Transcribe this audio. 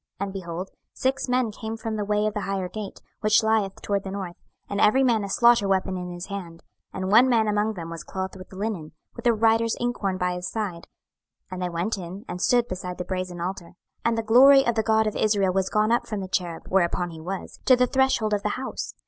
26:009:002 And, behold, six men came from the way of the higher gate, which lieth toward the north, and every man a slaughter weapon in his hand; and one man among them was clothed with linen, with a writer's inkhorn by his side: and they went in, and stood beside the brasen altar. 26:009:003 And the glory of the God of Israel was gone up from the cherub, whereupon he was, to the threshold of the house.